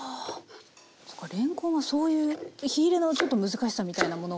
れんこんはそういう火入れのちょっと難しさみたいなものが。